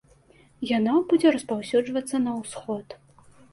Яно будзе распаўсюджвацца на ўсход.